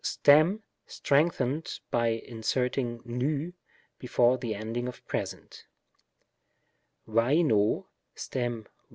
Stem strengthened by inserting v before the ending of present: fiaiv(o (stem